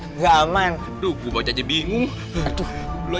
enggak aman tuh baca bingung aduh aduh